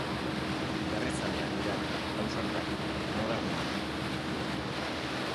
Berritzaileak dira, ausartak, modernoak.